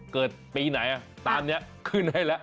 เกิดปีไหนปะตอนนี้ขึ้นให้ละ